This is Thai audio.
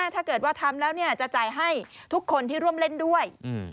ถ้าเกิดว่าทำแล้วจะจ่ายให้ทุกคนที่ร่วมเล่นด้วย